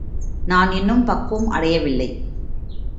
நாம் இன்னும் பக்குவம் அடையவில்லை.